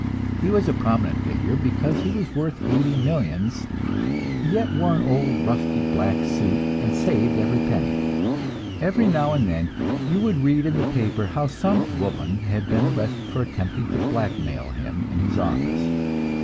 He was a prominent figure, because he was worth eighty millions, yet wore an old, rusty black suit, and saved every penny. Every now and then you would read in the paper how some woman had been arrested for attempting to blackmail him in his office.